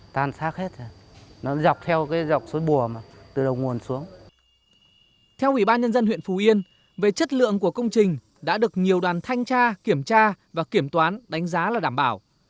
theo ủy ban nhân dân huyện phú yên về chất lượng của công trình đã được nhiều đoàn thanh tra kiểm tra và kiểm toán đánh giá là đảm bảo